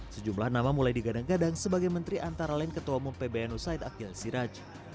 sejumlah nama mulai digadang gadang sebagai menteri antara lain ketua umum pbnu said akil siraj